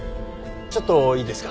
ちょっといいですか？